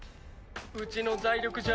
うちの財力じゃ